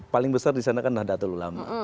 paling besar di sana kan ada data ulama